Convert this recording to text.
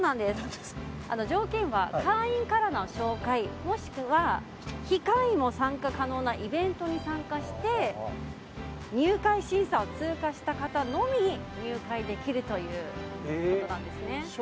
条件は、会員からの紹介もしくは非会員も参加可能なイベントに参加して入会審査を通過した方のみ入会できるということなんですね。